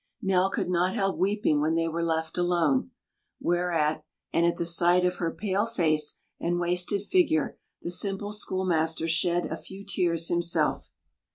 Nell could not help weeping when they were left alone; whereat, and at the sight of her pale face and wasted figure, the simple schoolmaster shed a few tears himself.